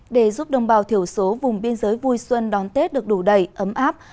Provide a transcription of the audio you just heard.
để giúp đồng bào thiểu số vùng biên giới vui xuân đón tết được đủ đầy ấm áp